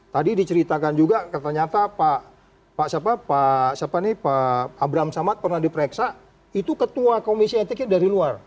tadi diceritakan juga ternyata pak siapa nih pak abramsamat pernah diperiksa itu ketua komisi etiknya dari luar